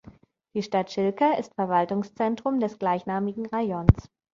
Die Stadt Schilka ist Verwaltungszentrum des gleichnamigen Rajons.